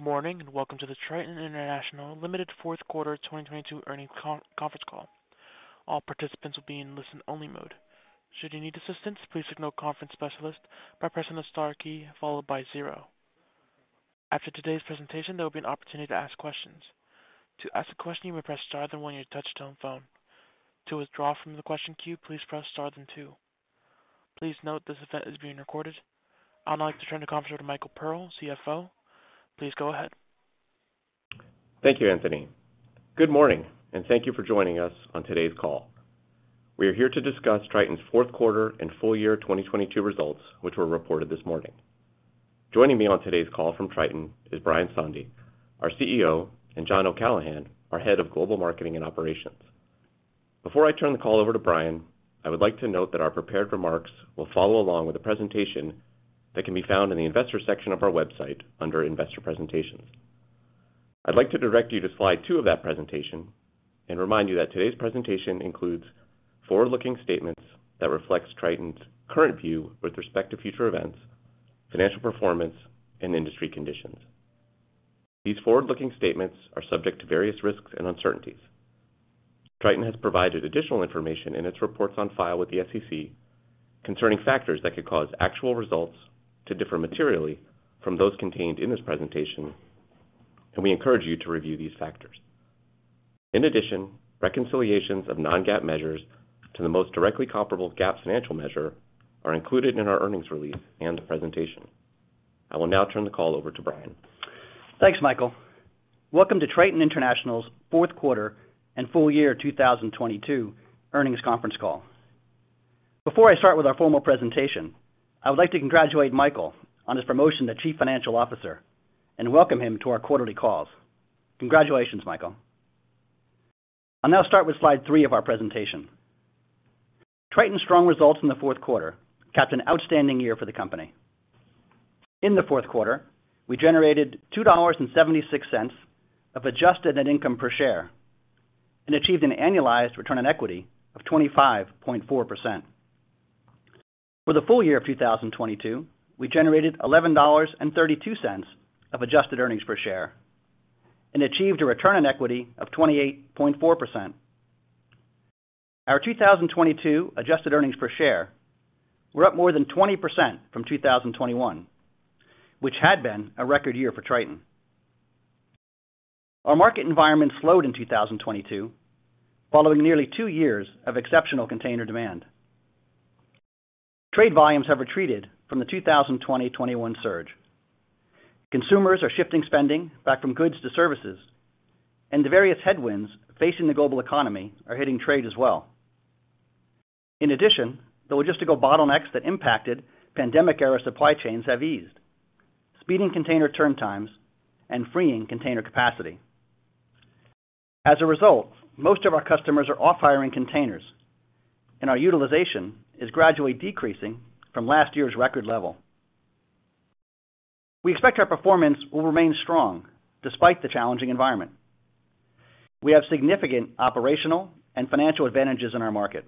Good morning. Welcome to the Triton International Limited fourth quarter 2022 earnings conference call. All participants will be in listen-only mode. Should you need assistance, please signal conference specialist by pressing the * key followed by 0. After today's presentation, there will be an opportunity to ask questions. To ask a question, you may press star then 1 on your touch-tone phone. To withdraw from the question queue, please press * then 2. Please note this event is being recorded. I would now like to turn the conference over to Michael Pearl, CFO. Please go ahead. Thank you, Anthony. Good morning, thank you for joining us on today's call. We are here to discuss Triton's fourth quarter and full year 2022 results, which were reported this morning. Joining me on today's call from Triton is Brian Sondey, our CEO, and John O'Callaghan, our Head of Global Marketing and Operations. Before I turn the call over to Brian, I would like to note that our prepared remarks will follow along with a presentation that can be found in the Investors section of our website under Investor Presentations. I'd like to direct you to slide 2 of that presentation and remind you that today's presentation includes forward-looking statements that reflects Triton's current view with respect to future events, financial performance, and industry conditions. These forward-looking statements are subject to various risks and uncertainties. Triton has provided additional information in its reports on file with the SEC concerning factors that could cause actual results to differ materially from those contained in this presentation. We encourage you to review these factors. In addition, reconciliations of non-GAAP measures to the most directly comparable GAAP financial measure are included in our earnings release and the presentation. I will now turn the call over to Brian. Thanks, Michael. Welcome to Triton International's fourth quarter and full year 2022 earnings conference call. Before I start with our formal presentation, I would like to congratulate Michael on his promotion to Chief Financial Officer and welcome him to our quarterly calls. Congratulations, Michael. I'll now start with slide 3 of our presentation. Triton's strong results in the fourth quarter capped an outstanding year for the company. In the fourth quarter, we generated $2.76 of adjusted net income per share and achieved an annualized return on equity of 25.4%. For the full year of 2022, we generated $11.32 of adjusted earnings per share and achieved a return on equity of 28.4%. Our 2022 adjusted earnings per share were up more than 20% from 2021, which had been a record year for Triton. Our market environment slowed in 2022, following nearly 2 years of exceptional container demand. Trade volumes have retreated from the 2020, 2021 surge. Consumers are shifting spending back from goods to services, and the various headwinds facing the global economy are hitting trade as well. In addition, the logistical bottlenecks that impacted pandemic-era supply chains have eased, speeding container turn times and freeing container capacity. As a result, most of our customers are off hiring containers, and our utilization is gradually decreasing from last year's record level. We expect our performance will remain strong despite the challenging environment. We have significant operational and financial advantages in our market.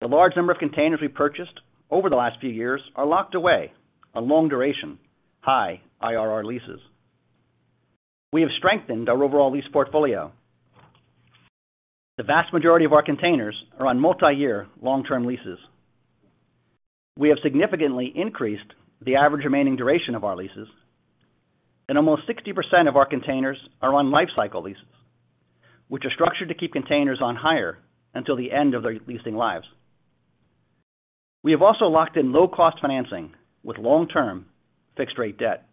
The large number of containers we purchased over the last few years are locked away on long duration, high IRR leases. We have strengthened our overall lease portfolio. The vast majority of our containers are on multi-year long-term leases. We have significantly increased the average remaining duration of our leases, and almost 60% of our containers are on life cycle leases, which are structured to keep containers on hire until the end of their leasing lives. We have also locked in low-cost financing with long-term fixed rate debt.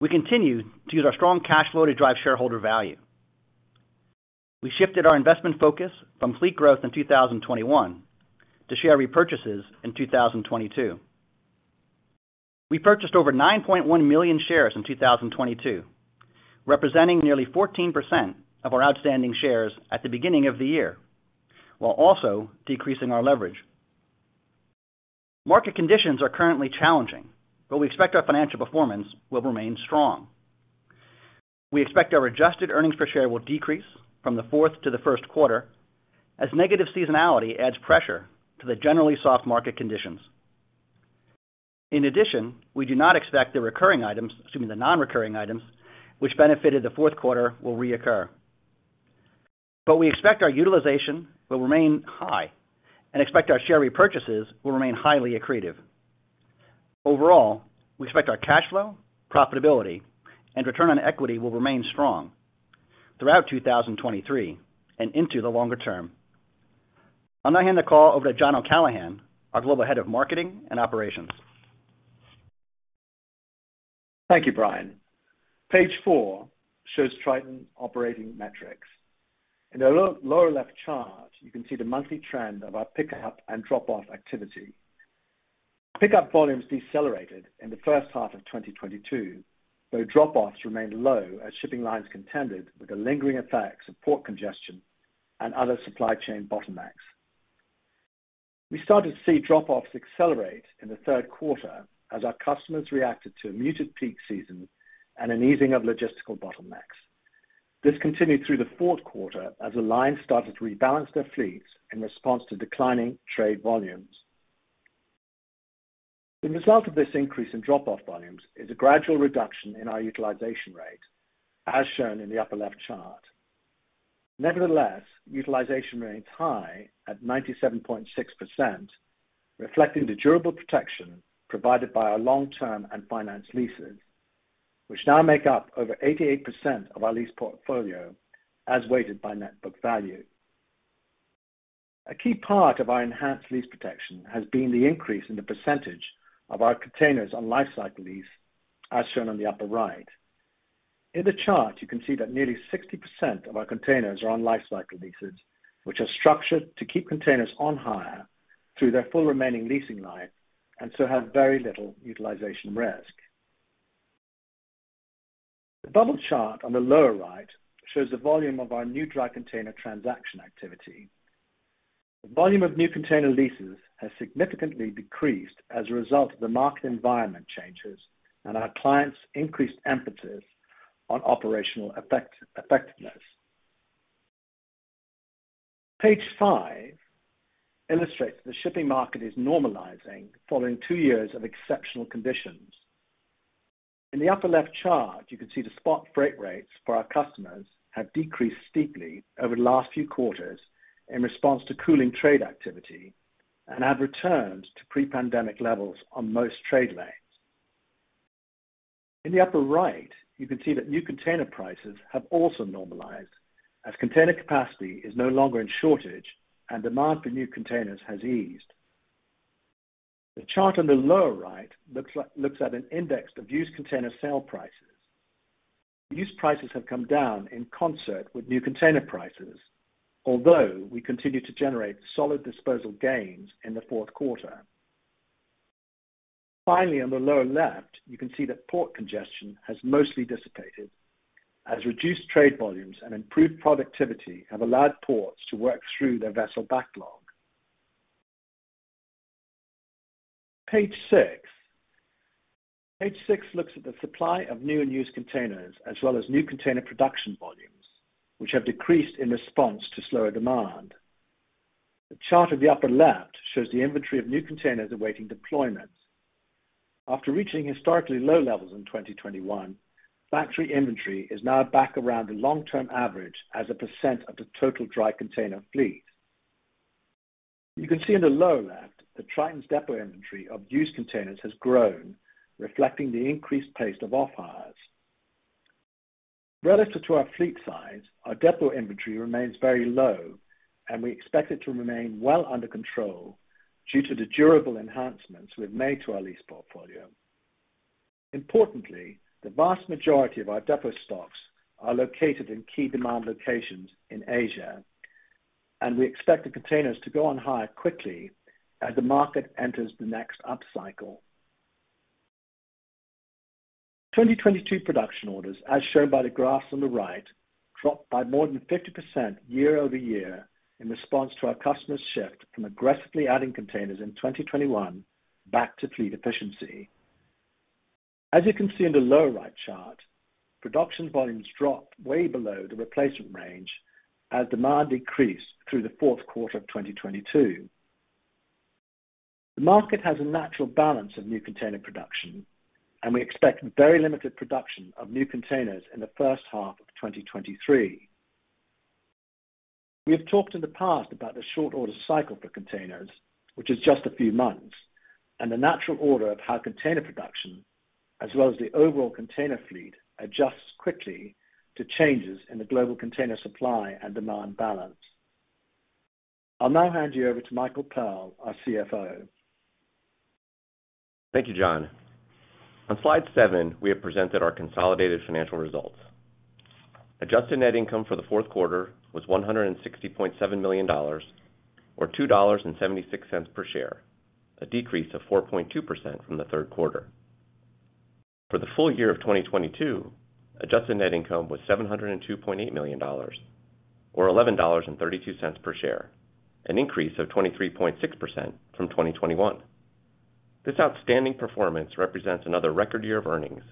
We continue to use our strong cash flow to drive shareholder value. We shifted our investment focus from fleet growth in 2021 to share repurchases in 2022. We purchased over 9.1 million shares in 2022, representing nearly 14% of our outstanding shares at the beginning of the year, while also decreasing our leverage. Market conditions are currently challenging, but we expect our financial performance will remain strong. We expect our adjusted EPS will decrease from the fourth to the first quarter as negative seasonality adds pressure to the generally soft market conditions. In addition, we do not expect the non-recurring items which benefited the fourth quarter will reoccur. We expect our utilization will remain high and expect our share repurchases will remain highly accretive. Overall, we expect our cash flow, profitability, and return on equity will remain strong throughout 2023 and into the longer term. I'll now hand the call over to John O'Callaghan, our Global Head of Marketing and Operations. Thank you, Brian. Page four shows Triton operating metrics. In the lower left chart, you can see the monthly trend of our pickup and drop-off activity. Pickup volumes decelerated in the first half of 2022, though drop-offs remained low as shipping lines contended with the lingering effects of port congestion and other supply chain bottlenecks. This continued through the fourth quarter as the line started to rebalance their fleets in response to declining trade volumes. The result of this increase in drop off volumes is a gradual reduction in our utilization rate, as shown in the upper left chart. Utilization remains high at 97.6%, reflecting the durable protection provided by our long-term and finance leases, which now make up over 88% of our lease portfolio as weighted by net book value. A key part of our enhanced lease protection has been the increase in the percentage of our containers on life cycle lease, as shown on the upper right. In the chart, you can see that nearly 60% of our containers are on life cycle leases, which are structured to keep containers on hire through their full remaining leasing life so have very little utilization risk. The bubble chart on the lower right shows the volume of our new dry container transaction activity. The volume of new container leases has significantly decreased as a result of the market environment changes and our clients increased emphasis on operational effectiveness. Page 5 illustrates the shipping market is normalizing following 2 years of exceptional conditions. In the upper left chart, you can see the spot freight rates for our customers have decreased steeply over the last few quarters in response to cooling trade activity and have returned to pre-pandemic levels on most trade lanes. In the upper right, you can see that new container prices have also normalized as container capacity is no longer in shortage and demand for new containers has eased. The chart on the lower right looks at an index of used container sale prices. Used prices have come down in concert with new container prices, although we continue to generate solid disposal gains in the fourth quarter. Finally, on the lower left, you can see that port congestion has mostly dissipated as reduced trade volumes and improved productivity have allowed ports to work through their vessel backlog. Page 6. Page 6 looks at the supply of new and used containers, as well as new container production volumes, which have decreased in response to slower demand. The chart at the upper left shows the inventory of new containers awaiting deployment. After reaching historically low levels in 2021, factory inventory is now back around the long-term average as a % of the total dry container fleet. You can see in the lower left that Triton's depot inventory of used containers has grown, reflecting the increased pace of off-hires. Relative to our fleet size, our depot inventory remains very low, and we expect it to remain well under control due to the durable enhancements we've made to our lease portfolio. Importantly, the vast majority of our depot stocks are located in key demand locations in Asia, and we expect the containers to go on hire quickly as the market enters the next upcycle. 2022 production orders, as shown by the graphs on the right, dropped by more than 50% year-over-year in response to our customers shift from aggressively adding containers in 2021 back to fleet efficiency. As you can see in the lower right chart, production volumes dropped way below the replacement range as demand decreased through the fourth quarter of 2022. The market has a natural balance of new container production. We expect very limited production of new containers in the first half of 2023. We have talked in the past about the short order cycle for containers, which is just a few months, and the natural order of how container production, as well as the overall container fleet, adjusts quickly to changes in the global container supply and demand balance. I'll now hand you over to Michael Pearl, our CFO. Thank you, John. On slide 7, we have presented our consolidated financial results. Adjusted net income for the fourth quarter was $160.7 million or $2.76 per share, a decrease of 4.2% from the third quarter. For the full year of 2022, adjusted net income was $702.8 million or $11.32 per share, an increase of 23.6% from 2021. This outstanding performance represents another record year of earnings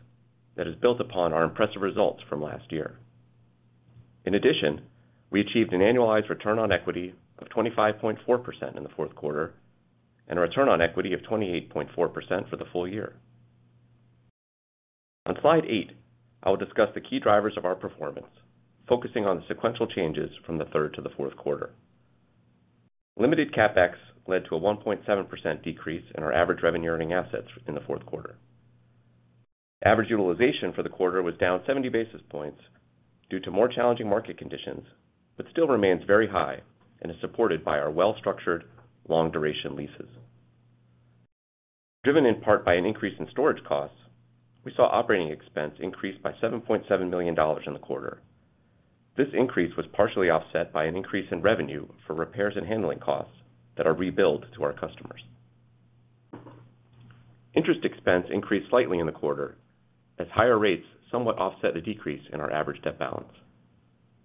that is built upon our impressive results from last year. In addition, we achieved an annualized return on equity of 25.4% in the fourth quarter and a return on equity of 28.4% for the full year. On slide eight, I will discuss the key drivers of our performance, focusing on the sequential changes from the third to the fourth quarter. Limited CapEx led to a 1.7% decrease in our average revenue earning assets in the fourth quarter. Average utilization for the quarter was down 70 basis points due to more challenging market conditions, but still remains very high and is supported by our well-structured long duration leases. Driven in part by an increase in storage costs, we saw operating expense increase by $7.7 million in the quarter. This increase was partially offset by an increase in revenue for repairs and handling costs that are rebilled to our customers. Interest expense increased slightly in the quarter as higher rates somewhat offset the decrease in our average debt balance.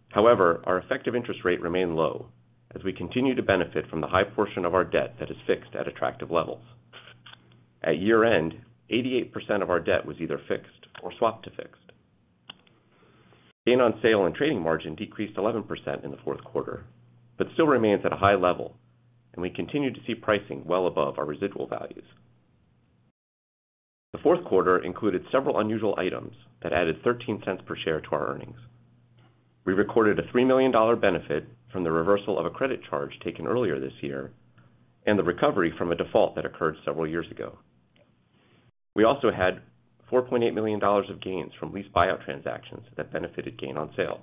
However, our effective interest rate remained low as we continue to benefit from the high portion of our debt that is fixed at attractive levels. At year-end, 88% of our debt was either fixed or swapped to fixed. Gain on sale and trading margin decreased 11% in the fourth quarter, but still remains at a high level, and we continue to see pricing well above our residual values. The fourth quarter included several unusual items that added $0.13 per share to our earnings. We recorded a $3 million benefit from the reversal of a credit charge taken earlier this year and the recovery from a default that occurred several years ago. We also had $4.8 million of gains from lease buyout transactions that benefited gain on sale.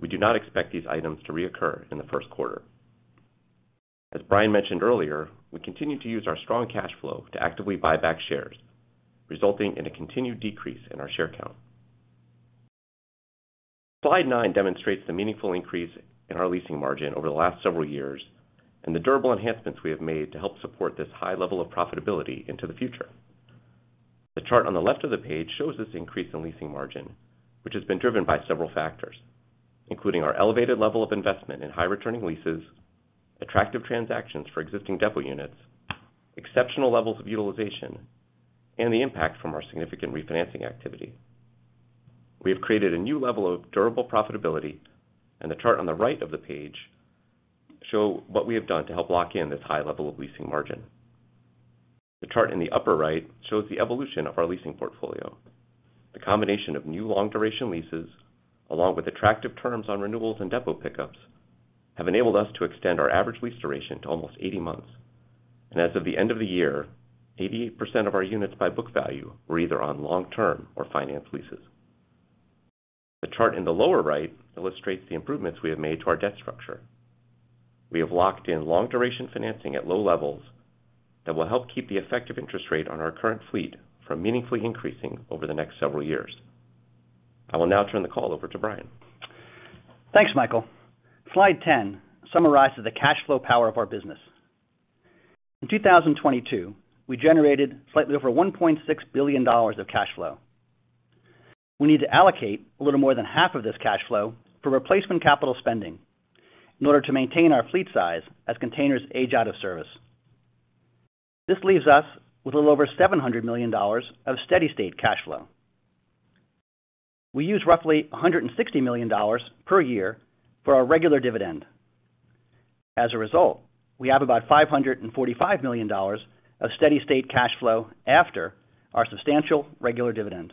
We do not expect these items to reoccur in the first quarter. As Brian mentioned earlier, we continue to use our strong cash flow to actively buy back shares, resulting in a continued decrease in our share count. Slide 9 demonstrates the meaningful increase in our leasing margin over the last several years and the durable enhancements we have made to help support this high level of profitability into the future. The chart on the left of the page shows this increase in leasing margin, which has been driven by several factors, including our elevated level of investment in high-returning leases, attractive transactions for existing depot units, exceptional levels of utilization, and the impact from our significant refinancing activity. We have created a new level of durable profitability. The chart on the right of the page show what we have done to help lock in this high level of leasing margin. The chart in the upper right shows the evolution of our leasing portfolio. The combination of new long-duration leases, along with attractive terms on renewals and depot pickups, have enabled us to extend our average lease duration to almost 80 months. As of the end of the year, 88% of our units by book value were either on long-term or finance leases. The chart in the lower right illustrates the improvements we have made to our debt structure. We have locked in long-duration financing at low levels that will help keep the effective interest rate on our current fleet from meaningfully increasing over the next several years. I will now turn the call over to Brian. Thanks, Michael. Slide 10 summarizes the cash flow power of our business. In 2022, we generated slightly over $1.6 billion of cash flow. We need to allocate a little more than half of this cash flow for replacement capital spending in order to maintain our fleet size as containers age out of service. This leaves us with a little over $700 million of steady-state cash flow. We use roughly $160 million per year for our regular dividend. We have about $545 million of steady-state cash flow after our substantial regular dividend.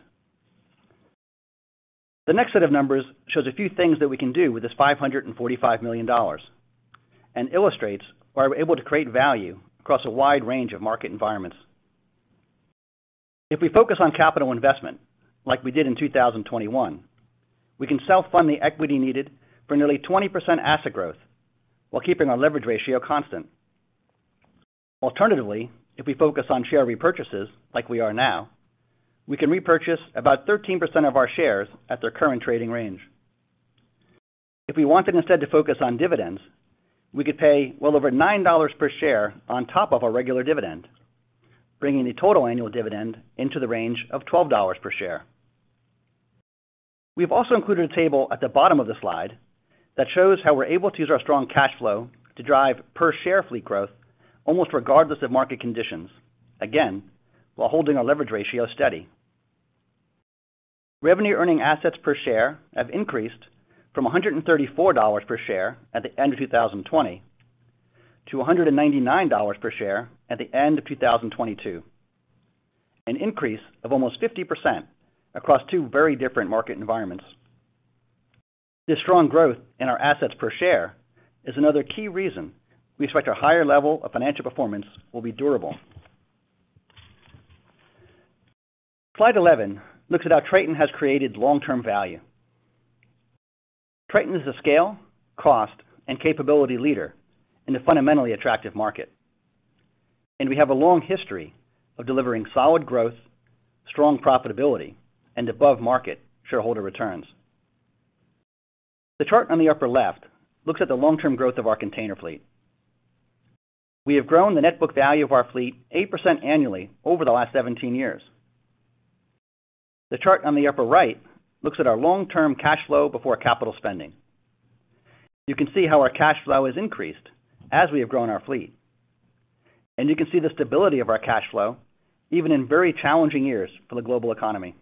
The next set of numbers shows a few things that we can do with this $545 million and illustrates why we're able to create value across a wide range of market environments. If we focus on capital investment, like we did in 2021, we can self-fund the equity needed for nearly 20% asset growth while keeping our leverage ratio constant. Alternatively, if we focus on share repurchases, like we are now, we can repurchase about 13% of our shares at their current trading range. If we wanted instead to focus on dividends, we could pay well over $9 per share on top of our regular dividend, bringing the total annual dividend into the range of $12 per share. We've also included a table at the bottom of the slide that shows how we're able to use our strong cash flow to drive per share fleet growth almost regardless of market conditions, again, while holding our leverage ratio steady. Revenue earning assets per share have increased from $134 per share at the end of 2020 to $199 per share at the end of 2022, an increase of almost 50% across two very different market environments. This strong growth in our assets per share is another key reason we expect our higher level of financial performance will be durable. Slide 11 looks at how Triton has created long-term value. Triton is a scale, cost, and capability leader in a fundamentally attractive market. We have a long history of delivering solid growth, strong profitability, and above market shareholder returns. The chart on the upper left looks at the long-term growth of our container fleet. We have grown the net book value of our fleet 8% annually over the last 17 years. The chart on the upper right looks at our long-term cash flow before capital spending. You can see how our cash flow has increased as we have grown our fleet. You can see the stability of our cash flow even in very challenging years for the global economy.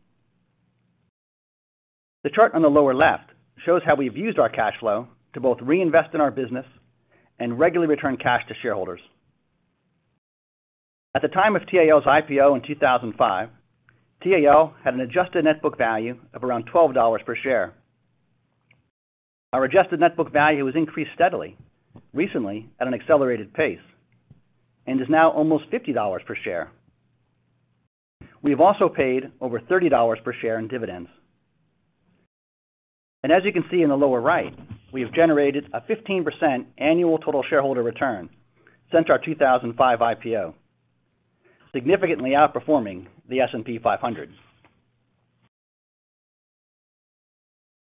The chart on the lower left shows how we've used our cash flow to both reinvest in our business and regularly return cash to shareholders. At the time of TAL's IPO in 2005, TAL had an adjusted net book value of around $12 per share. Our adjusted net book value has increased steadily, recently at an accelerated pace, and is now almost $50 per share. We have also paid over $30 per share in dividends. As you can see in the lower right, we have generated a 15% annual total shareholder return since our 2005 IPO, significantly outperforming the S&P 500.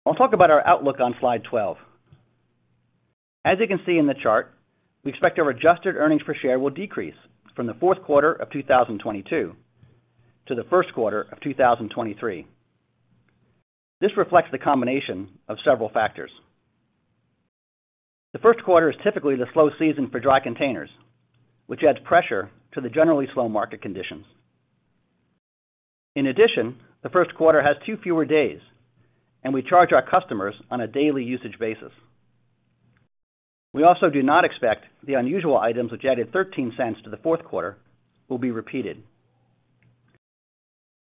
I'll talk about our outlook on slide 12. As you can see in the chart, we expect our adjusted EPS will decrease from the fourth quarter of 2022 to the first quarter of 2023. This reflects the combination of several factors. The first quarter is typically the slow season for dry containers, which adds pressure to the generally slow market conditions. In addition, the first quarter has 2 fewer days, and we charge our customers on a daily usage basis. We also do not expect the unusual items, which added $0.13 to the fourth quarter, will be repeated.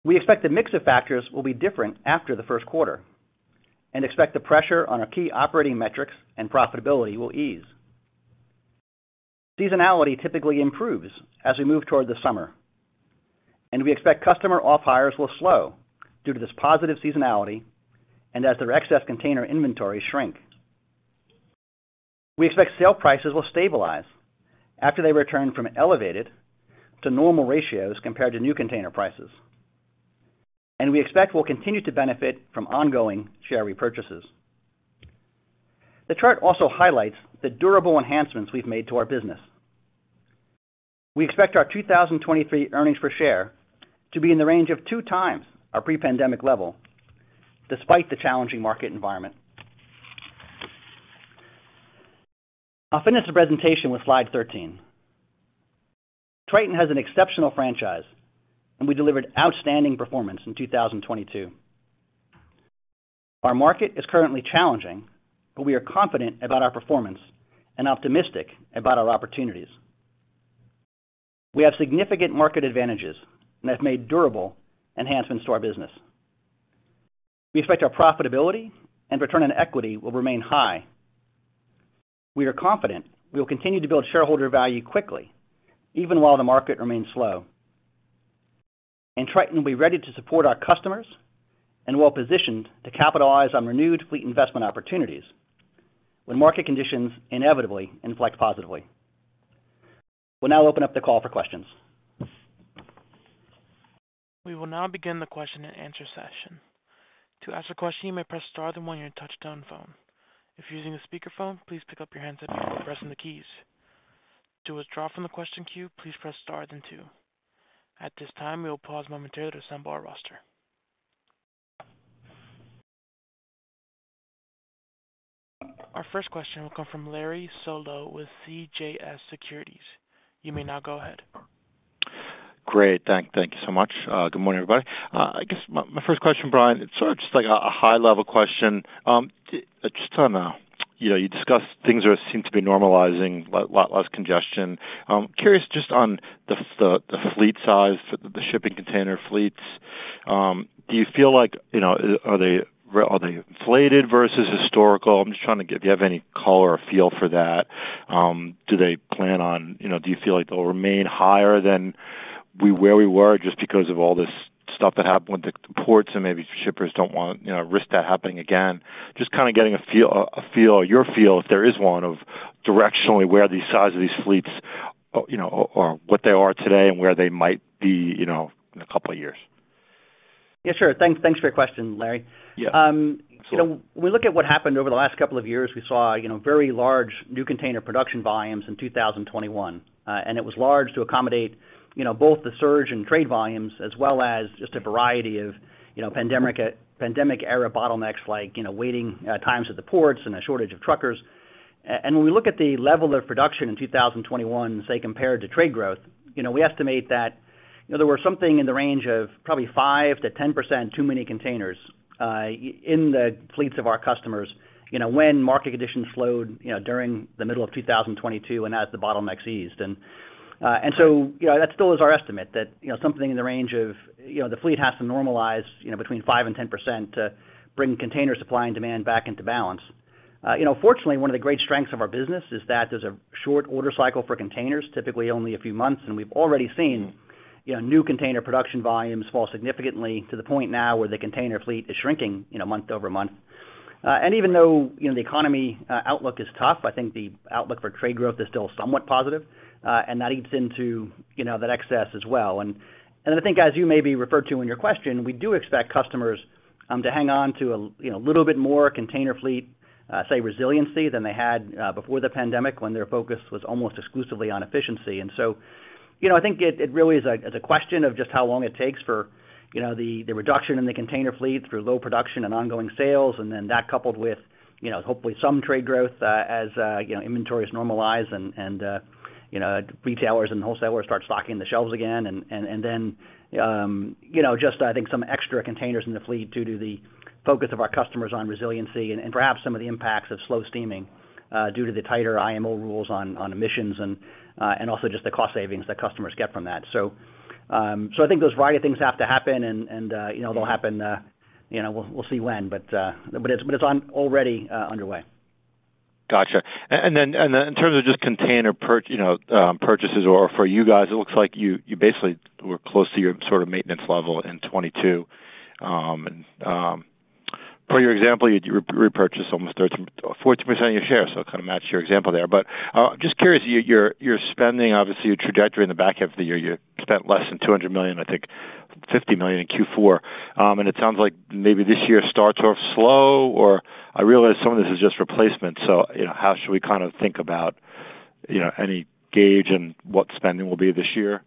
We expect the mix of factors will be different after the first quarter and expect the pressure on our key operating metrics and profitability will ease. Seasonality typically improves as we move toward the summer, and we expect customer off hires will slow due to this positive seasonality and as their excess container inventory shrink. We expect sale prices will stabilize after they return from elevated to normal ratios compared to new container prices. We expect we'll continue to benefit from ongoing share repurchases. The chart also highlights the durable enhancements we've made to our business. We expect our 2023 EPS to be in the range of 2x our pre-pandemic level despite the challenging market environment. I'll finish the presentation with slide 13. Triton has an exceptional franchise, and we delivered outstanding performance in 2022. Our market is currently challenging. We are confident about our performance and optimistic about our opportunities. We have significant market advantages and have made durable enhancements to our business. We expect our profitability and return on equity will remain high. We are confident we will continue to build shareholder value quickly even while the market remains slow. Triton will be ready to support our customers and well-positioned to capitalize on renewed fleet investment opportunities when market conditions inevitably inflect positively. We'll now open up the call for questions. We will now begin the question and answer session. To ask a question, you may press star, then one your touchtone phone. If you're using a speakerphone, please pick up your handset before pressing the keys. To withdraw from the question queue, please press star then two. At this time, we will pause momentarily to assemble our roster. Our first question will come from Larry Solow with CJS Securities. You may now go ahead. Great. Thank you so much. Good morning, everybody. I guess my first question, Brian, it's sort of just like a high-level question. Just on, you know, you discussed things are, seem to be normalizing, lot less congestion. Curious just on the fleet size, the shipping container fleets, do you feel like, you know, are they inflated versus historical? I'm just trying to get if you have any color or feel for that. Do they plan on, you know, do you feel like they'll remain higher than where we were just because of all this stuff that happened with the ports and maybe shippers don't want, you know, risk that happening again? Just kind of getting a feel, your feel, if there is one, of directionally where the size of these fleets, you know, or what they are today and where they might be, you know, in a couple of years. Sure. Thanks for your question, Larry. You know, we look at what happened over the last couple of years. We saw, you know, very large new container production volumes in 2021. It was large to accommodate, you know, both the surge in trade volumes as well as just a variety of, you know, pandemic era bottlenecks like, you know, waiting times at the ports and a shortage of truckers. When we look at the level of production in 2021, say, compared to trade growth, you know, we estimate that, you know, there were something in the range of probably 5%-10% too many containers in the fleets of our customers, you know, when market conditions slowed, you know, during the middle of 2022 and as the bottlenecks eased. You know, that still is our estimate that, you know, something in the range of, you know, the fleet has to normalize, you know, between 5% and 10% to bring container supply and demand back into balance. You know, fortunately, one of the great strengths of our business is that there's a short order cycle for containers, typically only a few months. We've already seen, you know, new container production volumes fall significantly to the point now where the container fleet is shrinking, you know, month-over-month. Even though, you know, the economy outlook is tough, I think the outlook for trade growth is still somewhat positive, and that eats into, you know, that excess as well. I think as you maybe referred to in your question, we do expect customers to hang on to, you know, little bit more container fleet, say, resiliency than they had before the pandemic when their focus was almost exclusively on efficiency. You know, I think it really is a question of just how long it takes for, you know, the reduction in the container fleet through low production and ongoing sales, and then that coupled with, you know, hopefully some trade growth as, you know, inventories normalize and, you know, retailers and wholesalers start stocking the shelves again. You know, just I think some extra containers in the fleet due to the focus of our customers on resiliency and perhaps some of the impacts of slow steaming, due to the tighter IMO rules on emissions and also just the cost savings that customers get from that. I think those variety of things have to happen and, you know, they'll happen, you know, we'll see when, but it's on already underway. Gotcha. In terms of just container you know, purchases or for you guys, it looks like you basically were close to your sort of maintenance level in 2022. For your example, you repurchased almost 13%-14% of your shares, so kind of match your example there. I'm just curious, you're spending obviously your trajectory in the back half of the year. You spent less than $200 million, I think $50 million in Q4. It sounds like maybe this year starts off slow, or I realize some of this is just replacement. You know, how should we kind of think about, you know, any gauge in what spending will be this year?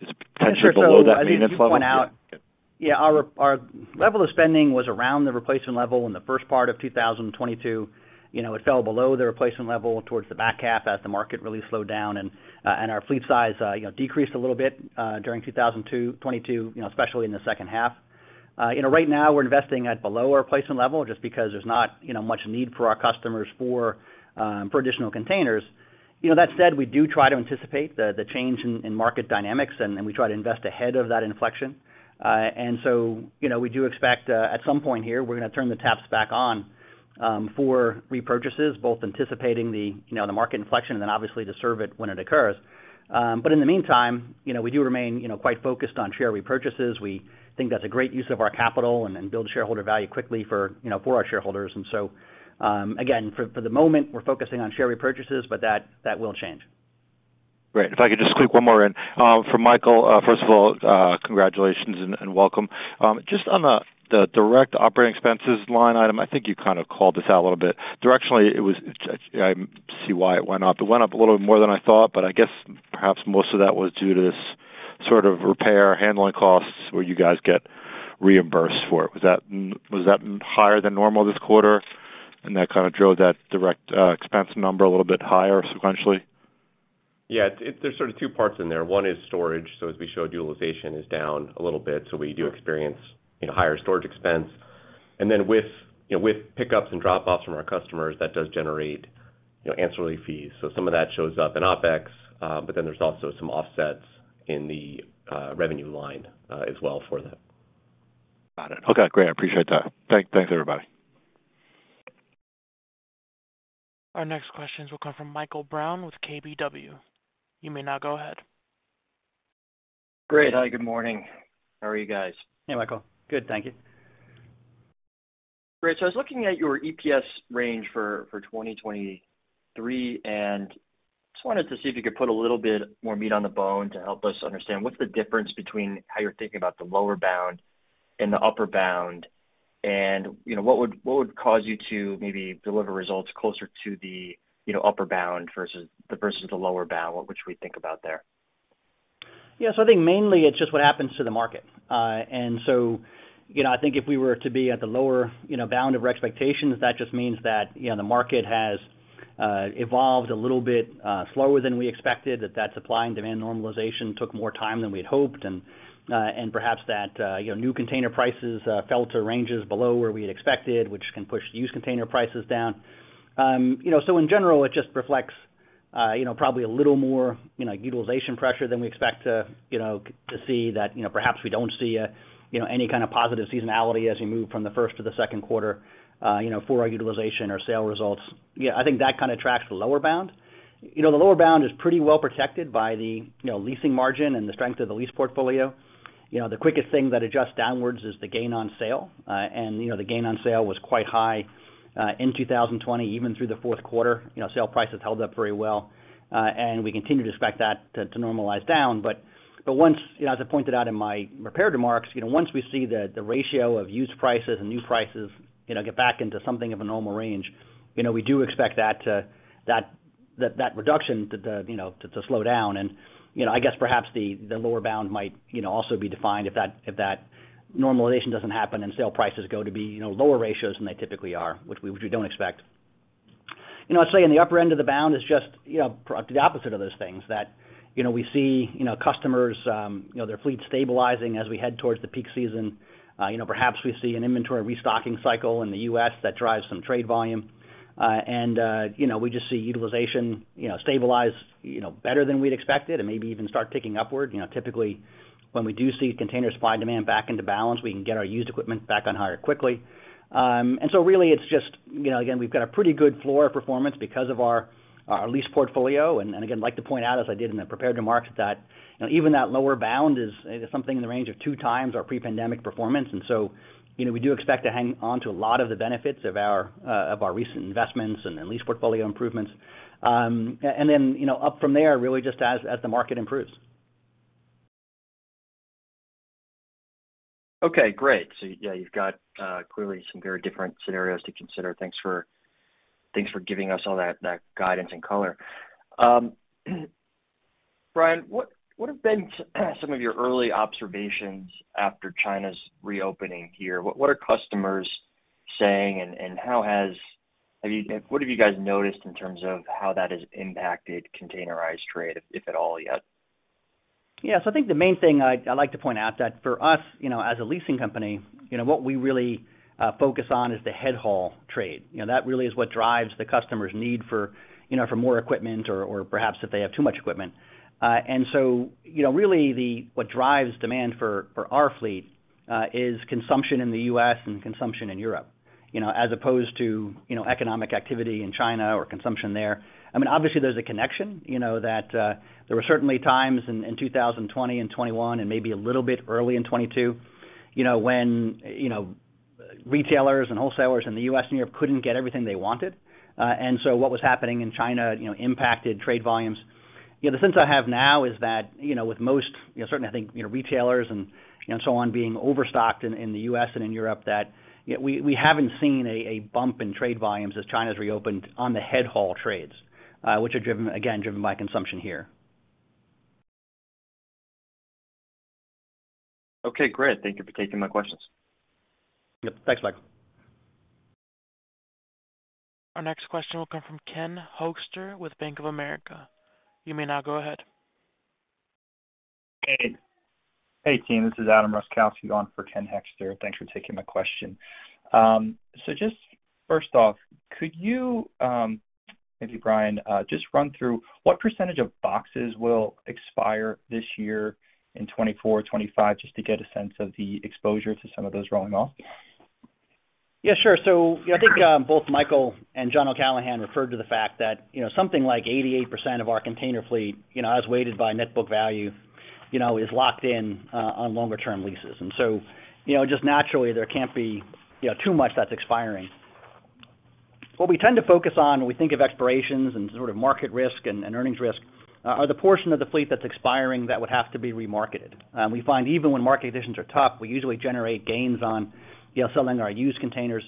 Sure. I think you point out, , our level of spending was around the replacement level in the first part of 2022. It fell below the replacement level towards the back half as the market really slowed down and our fleet size, you know, decreased a little bit during 2022, you know, especially in the second half. Right now we're investing at below our placement level just because there's not, you know, much need for our customers for additional containers. That said, we do try to anticipate the change in market dynamics, and we try to invest ahead of that inflection. You know, we do expect, at some point here, we're gonna turn the taps back on, for repurchases, both anticipating the, you know, the market inflection and then obviously to serve it when it occurs. In the meantime, you know, we do remain, you know, quite focused on share repurchases. We think that's a great use of our capital and build shareholder value quickly for, you know, for our shareholders. Again, for the moment, we're focusing on share repurchases, but that will change. Great. If I could just squeak one more in, for Michael, first of all, congratulations and welcome. Just on the direct operating expenses line item, I think you kind of called this out a little bit. Directionally, I see why it went up. It went up a little bit more than I thought, but I guess perhaps most of that was due to this sort of repair handling costs where you guys get reimbursed for it. Was that higher than normal this quarter, and that kind of drove that direct expense number a little bit higher sequentially? There's sort of two parts in there. One is storage. As we showed, utilization is down a little bit, so we do experience, you know, higher storage expense. With, you know, with pickups and drop-offs from our customers, that does generate, you know, ancillary fees. Some of that shows up in OpEx, but there's also some offsets in the revenue line as well for that. Got it. Okay, great. I appreciate that. Thanks, everybody. Our next questions will come from Michael Brown with KBW. You may now go ahead. Great. Hi, good morning. How are you guys? Hey, Michael. Good. Thank you. Great. I was looking at your EPS range for 2023, and just wanted to see if you could put a little bit more meat on the bone to help us understand what's the difference between how you're thinking about the lower bound and the upper bound. You know, what would cause you to maybe deliver results closer to the, you know, upper bound versus the lower bound? What should we think about there? I think mainly it's just what happens to the market. You know, I think if we were to be at the lower, you know, bound of our expectations, that just means that, you know, the market has evolved a little bit slower than we expected, that that supply and demand normalization took more time than we'd hoped, and perhaps that, you know, new container prices fell to ranges below where we had expected, which can push used container prices down. You know, in general, it just reflects, you know, probably a little more, you know, utilization pressure than we expect to, you know, to see that, you know, perhaps we don't see a, you know, any kind of positive seasonality as we move from the 1st to the 2nd quarter, you know, for our utilization or sale results., I think that kind of tracks the lower bound. You know, the lower bound is pretty well protected by the, you know, leasing margin and the strength of the lease portfolio. You know, the quickest thing that adjusts downwards is the gain on sale. The gain on sale was quite high, in 2020, even through the 4th quarter. You know, sale prices held up very well, and we continue to expect that to normalize down. Once, you know, as I pointed out in my prepared remarks, you know, once we see the ratio of used prices and new prices, you know, get back into something of a normal range, you know, we do expect that reduction to, you know, to slow down. You know, I guess perhaps the lower bound might, you know, also be defined if that, if that normalization doesn't happen and sale prices go to be, you know, lower ratios than they typically are, which we, which we don't expect. You know, I'd say in the upper end of the bound is just, you know, the opposite of those things that, you know, we see, you know, customers, you know, their fleet stabilizing as we head towards the peak season. You know, perhaps we see an inventory restocking cycle in the U.S. that drives some trade volume. You know, we just see utilization stabilize better than we'd expected and maybe even start ticking upward. You know, typically, when we do see container supply and demand back into balance, we can get our used equipment back on hire quickly. So really, it's just, you know, again, we've got a pretty good floor performance because of our lease portfolio. Again, I'd like to point out, as I did in the prepared remarks, that, you know, even that lower bound is something in the range of 2 times our pre-pandemic performance. So, you know, we do expect to hang on to a lot of the benefits of our recent investments and our lease portfolio improvements. Then, you know, up from there, really just as the market improves. Okay, great., you've got clearly some very different scenarios to consider. Thanks for giving us all that guidance and color. Brian, what have been some of your early observations after China's reopening here? What are customers saying, and how have you what have you guys noticed in terms of how that has impacted containerized trade, if at all, yet? I think the main thing I'd like to point out that for us, you know, as a leasing company, you know, what we really focus on is the headhaul trade. That really is what drives the customer's need for, you know, for more equipment or perhaps if they have too much equipment. Really, what drives demand for our fleet is consumption in the U.S. and consumption in Europe, you know, as opposed to, you know, economic activity in China or consumption there. Obviously, there's a connection, you know, that there were certainly times in 2020 and 2021, and maybe a little bit early in 2022, you know, when, you know, retailers and wholesalers in the U.S. and Europe couldn't get everything they wanted. What was happening in China, you know, impacted trade volumes. You know, the sense I have now is that, you know, with most, you know, certainly I think, you know, retailers and, you know, so on being overstocked in the U.S. and in Europe, that, you know, we haven't seen a bump in trade volumes as China's reopened on the headhaul trades, which are driven, again, driven by consumption here. Okay, great. Thank you for taking my questions. Thanks, Michael. Our next question will come from Ken Hoexter with Bank of America. You may now go ahead. Hey. Hey, team. This is Adam Roszkowski on for Ken Hoexter. Thanks for taking my question. Just first off, could you, maybe Brian, just run through what percentage of boxes will expire this year in 2024, 2025, just to get a sense of the exposure to some of those rolling off? Sure. I think, both Michael and John O'Callaghan referred to the fact that, you know, something like 88% of our container fleet, you know, as weighted by net book value, you know, is locked in on longer term leases. Just naturally, there can't be, you know, too much that's expiring. What we tend to focus on when we think of expirations and sort of market risk and earnings risk, are the portion of the fleet that's expiring that would have to be remarketed. We find even when market conditions are tough, we usually generate gains on, you know, selling our used containers.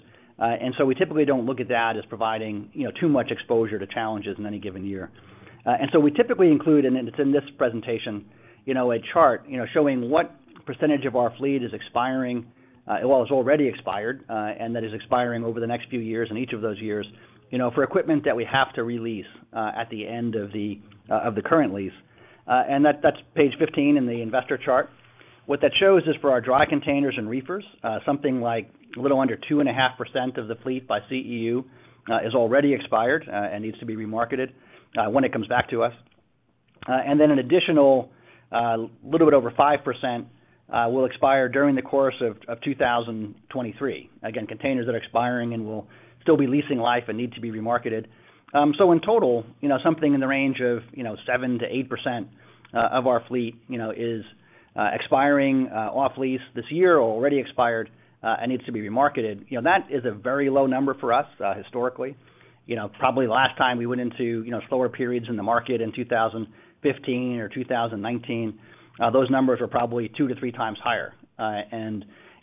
We typically don't look at that as providing, you know, too much exposure to challenges in any given year. We typically include, and it's in this presentation, you know, a chart, you know, showing what percentage of our fleet is expiring, well, has already expired, and that is expiring over the next few years in each of those years, you know, for equipment that we have to re-lease at the end of the current lease. That, that's page 15 in the investor chart. What that shows is for our dry containers and reefers, something like a little under 2.5% of the fleet by CEU, is already expired, and needs to be remarketed when it comes back to us. Then an additional little bit over 5% will expire during the course of 2023. Containers that are expiring and will still be leasing life and need to be remarketed. In total, you know, something in the range of, you know, 7%-8% of our fleet, you know, is expiring off lease this year or already expired and needs to be remarketed. You know, that is a very low number for us historically. You know, probably the last time we went into, you know, slower periods in the market in 2015 or 2019, those numbers were probably 2-3 times higher.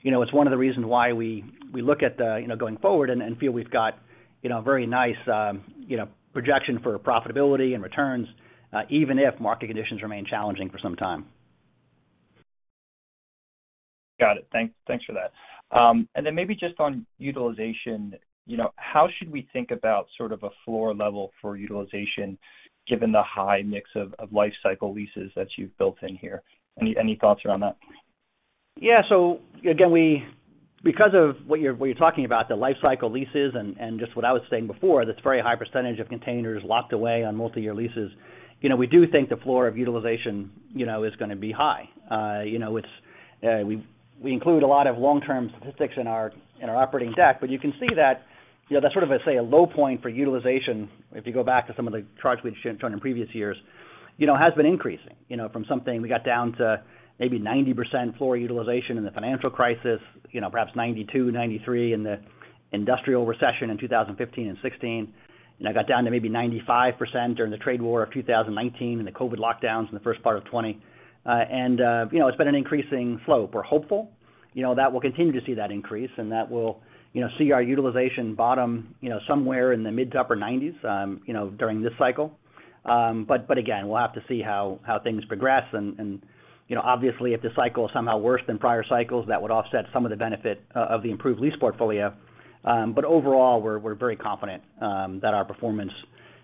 You know, it's one of the reasons why we look at, you know, going forward and feel we've got, you know, a very nice, you know, projection for profitability and returns, even if market conditions remain challenging for some time. Got it. Thanks for that. Then maybe just on utilization, you know, how should we think about sort of a floor level for utilization given the high mix of life cycle leases that you've built in here? Any thoughts around that? Again, we, because of what you're talking about, the life cycle leases and just what I was saying before, that's very high percentage of containers locked away on multiyear leases. You know, we do think the floor of utilization, you know, is gonna be high. You know, it's, we include a lot of long-term statistics in our, in our operating deck, but you can see that, you know, that's sort of, let's say, a low point for utilization, if you go back to some of the charts we've shown in previous years, you know, has been increasing, you know, from something we got down to maybe 90% floor utilization in the financial crisis, you know, perhaps 92%, 93% in the industrial recession in 2015 and 2016, and it got down to maybe 95% during the trade war of 2019 and the COVID lockdowns in the first part of 2020. You know, it's been an increasing slope. We're hopeful, you know, that we'll continue to see that increase and that we'll, you know, see our utilization bottom, you know, somewhere in the mid to upper 90s, you know, during this cycle. Again, we'll have to see how things progress and, you know, obviously, if the cycle is somehow worse than prior cycles, that would offset some of the benefit of the improved lease portfolio. Overall, we're very confident that our performance,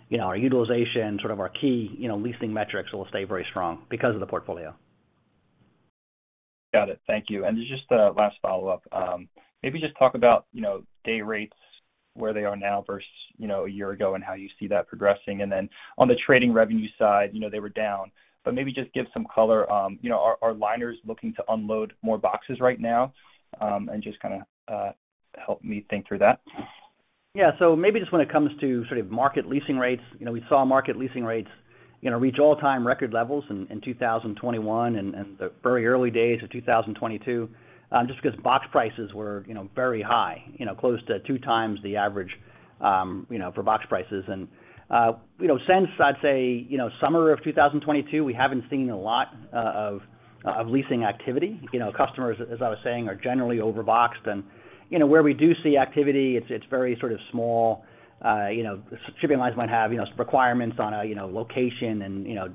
you know, our utilization, sort of our key, you know, leasing metrics will stay very strong because of the portfolio. Got it. Thank you. Just a last follow-up. Maybe just talk about, you know, day rates, where they are now versus, you know, a year ago and how you see that progressing. Then on the trading revenue side, you know, they were down, but maybe just give some color. You know, are liners looking to unload more boxes right now? Just kinda help me think through that. Maybe just when it comes to sort of market leasing rates, we saw market leasing rates reach all-time record levels in 2021 and the very early days of 2022, just because box prices were very high, close to 2x the average for box prices. Since I'd say summer of 2022, we haven't seen a lot of leasing activity. You know, customers, as I was saying, are generally over boxed. Where we do see activity, it's very sort of small, shipping lines might have requirements on a location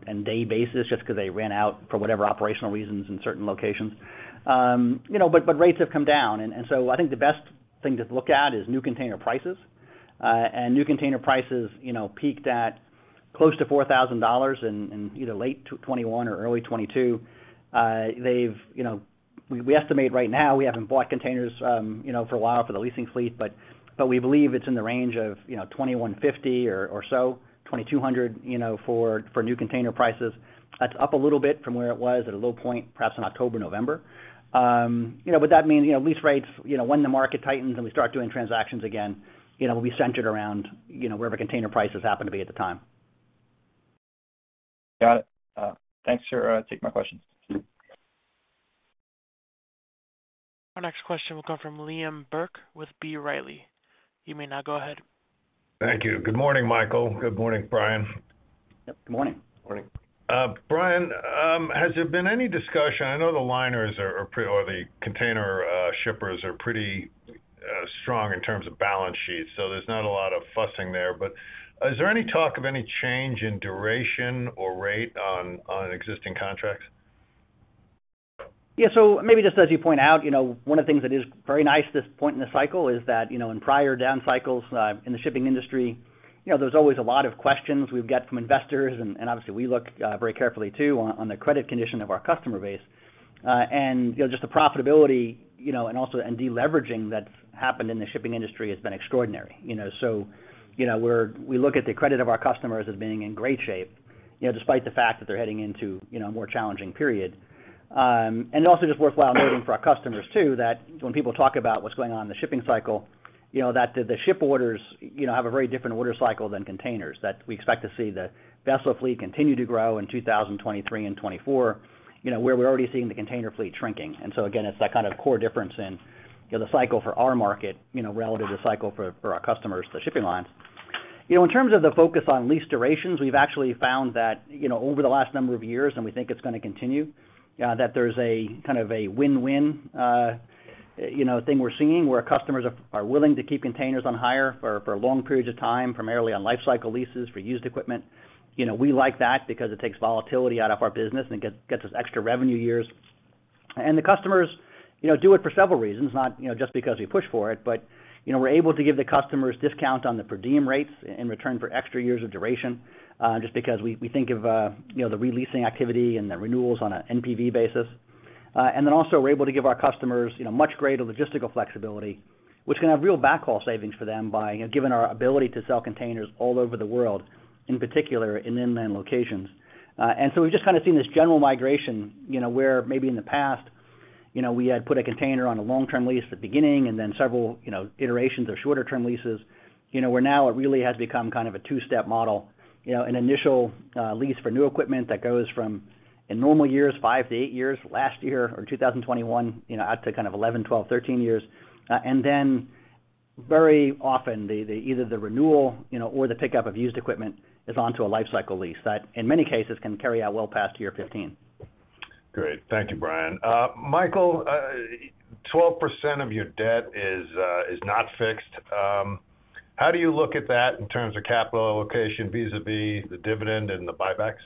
and day basis just 'cause they ran out for whatever operational reasons in certain locations. You know, rates have come down. I think the best thing to look at is new container prices. New container prices, you know, peaked at close to $4,000 in either late 2021 or early 2022. They've, you know, we estimate right now we haven't bought containers, you know, for a while for the leasing fleet, but we believe it's in the range of, you know, $2,150 or so, $2,200, you know, for new container prices. That's up a little bit from where it was at a low point, perhaps in October, November. You know, that means, you know, lease rates, you know, when the market tightens and we start doing transactions again, you know, will be centered around, you know, wherever container prices happen to be at the time. Got it. Thanks for taking my questions. Our next question will come from Liam Burke with B. Riley. You may now go ahead. Thank you. Good morning, Michael. Good morning, Brian. Good morning. Morning. Brian, has there been any discussion? I know the liners are, or the container shippers are pretty strong in terms of balance sheets, so there's not a lot of fussing there. Is there any talk of any change in duration or rate on existing contracts? Maybe just as you point out, you know, one of the things that is very nice this point in the cycle is that, you know, in prior down cycles in the shipping industry, you know, there's always a lot of questions we've got from investors, and obviously we look very carefully too on the credit condition of our customer base. And, you know, just the profitability, you know, and also and deleveraging that's happened in the shipping industry has been extraordinary, you know. We look at the credit of our customers as being in great shape, you know, despite the fact that they're heading into, you know, a more challenging period. Also just worthwhile noting for our customers too that when people talk about what's going on in the shipping cycle, you know, that the ship orders, you know, have a very different order cycle than containers, that we expect to see the vessel fleet continue to grow in 2023 and 2024, you know, where we're already seeing the container fleet shrinking. Again, it's that kind of core difference in, you know, the cycle for our market, you know, relative to cycle for our customers, the shipping lines. You know, in terms of the focus on lease durations, we've actually found that, you know, over the last number of years, and we think it's gonna continue, that there's a kind of a win-win, you know, thing we're seeing where customers are willing to keep containers on hire for long periods of time, primarily on life cycle leases for used equipment. You know, we like that because it takes volatility out of our business and gets us extra revenue years. The customers, you know, do it for several reasons, not, you know, just because we push for it. You know, we're able to give the customers discounts on the per diem rates in return for extra years of duration, just because we think of, you know, the re-leasing activity and the renewals on a NPV basis. Also we're able to give our customers, you know, much greater logistical flexibility, which can have real backhaul savings for them by, you know, given our ability to sell containers all over the world, in particular in inland locations. So we've just kind of seen this general migration, you know, where maybe in the past, you know, we had put a container on a long-term lease at the beginning and then several, you know, iterations or shorter term leases. You know, where now it really has become kind of a two-step model, you know, an initial lease for new equipment that goes from, in normal years, 5 to 8 years, last year or 2021, you know, out to kind of 11, 12, 13 years. Very often the either the renewal, you know, or the pickup of used equipment is onto a life cycle lease that in many cases can carry out well past year 15. Great. Thank you, Brian. Michael, 12% of your debt is not fixed. How do you look at that in terms of capital allocation vis-a-vis the dividend and the buybacks?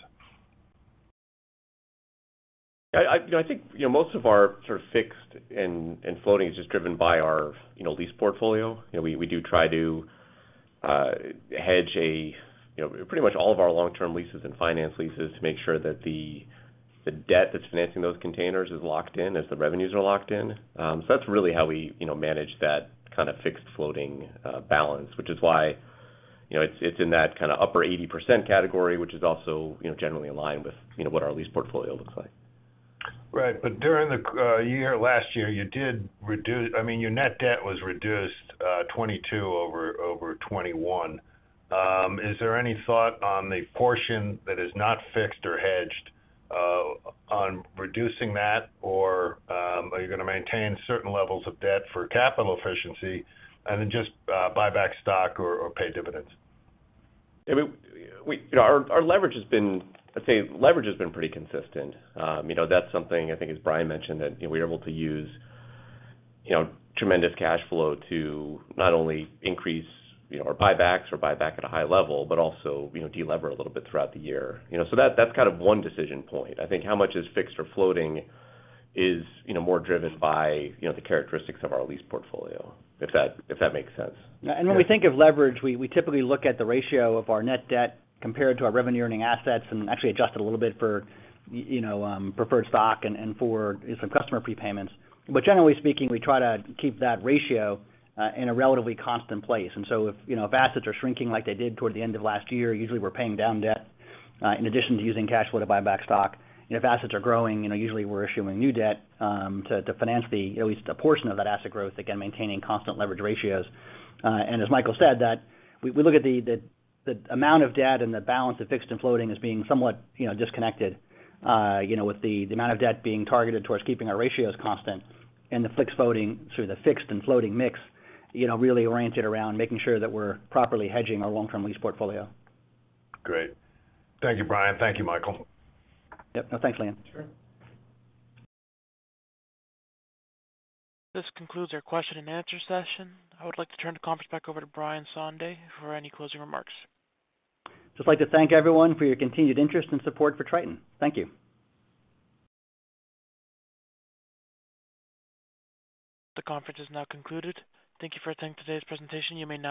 I, you know, I think, you know, most of our sort of fixed and floating is just driven by our, you know, lease portfolio. You know, we do try to hedge a pretty much all of our long-term leases and finance leases to make sure that the debt that's financing those containers is locked in as the revenues are locked in. That's really how we, you know, manage that kind of fixed floating balance, which is why, you know, it's in that kinda upper 80% category, which is also, you know, generally in line with, you know, what our lease portfolio looks like. Right. During the year, last year, you did I mean, your net debt was reduced, 2022 over 2021. Is there any thought on the portion that is not fixed or hedged, on reducing that? Or, are you gonna maintain certain levels of debt for capital efficiency and then just, buy back stock or pay dividends? I mean, you know, I'd say leverage has been pretty consistent. You know, that's something I think, as Brian mentioned, that, you know, we're able to use, you know, tremendous cash flow to not only increase, you know, our buybacks or buy back at a high level, but also, you know, de-lever a little bit throughout the year. You know, that's kind of one decision point. I think how much is fixed or floating is, you know, more driven by, you know, the characteristics of our lease portfolio, if that makes sense. When we think of leverage, we typically look at the ratio of our net debt compared to our revenue-earning assets and actually adjust it a little bit for, you know, preferred stock and for some customer prepayments. Generally speaking, we try to keep that ratio in a relatively constant place. If, you know, if assets are shrinking like they did toward the end of last year, usually we're paying down debt in addition to using cash flow to buy back stock. You know, if assets are growing, you know, usually we're issuing new debt to finance the, at least a portion of that asset growth, again, maintaining constant leverage ratios. As Michael said, that we look at the amount of debt and the balance of fixed and floating as being somewhat, you know, disconnected, you know, with the amount of debt being targeted towards keeping our ratios constant and the fixed floating through the fixed and floating mix, you know, really oriented around making sure that we're properly hedging our long-term lease portfolio. Great. Thank you, Brian. Thank you, Michael. No, thanks, Liam. Sure. This concludes our question and answer session. I would like to turn the conference back over to Brian Sondey for any closing remarks. Just like to thank everyone for your continued interest and support for Triton. Thank you. The conference is now concluded. Thank you for attending today's presentation. You may now-